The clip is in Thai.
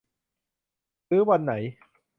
ซื้อวันไหน